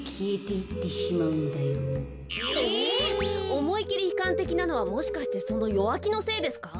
おもいきりひかんてきなのはもしかしてその弱木のせいですか？